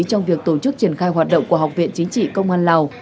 trong việc tổ chức triển khai hoạt động của học viện chính trị công an lào